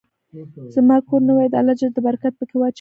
زما کور نوې ده، الله ج د برکت په کي واچوی